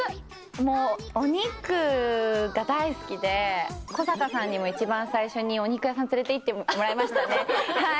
もうお肉が大好きで、古坂さんにも一番最初にお肉屋さん連れていってもらいましたね。